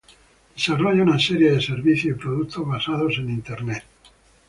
Desarrolla una serie de servicios y productos basados en Internet.